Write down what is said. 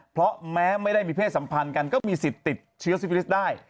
เพราะแม้ไม่ได้มีเพศสัมพันธ์กันก็มีสิทธิ์ติดเชื้อซิฟิลิสต์ได้